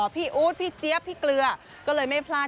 อู๊ดพี่เจี๊ยบพี่เกลือก็เลยไม่พลาด